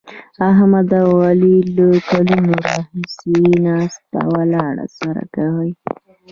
احمد او علي له کلونو راهسې ناسته ولاړه سره کوي.